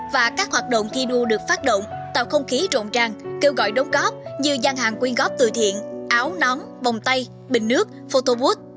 và các hoạt động thi đua được phát động tạo không khí rộn ràng kêu gọi đóng góp như gian hàng quyên góp từ thiện áo nón bồng tay bình nước photobood